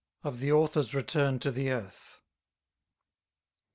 _Of the Author's Return to the Earth.